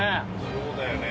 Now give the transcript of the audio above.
そうだよね。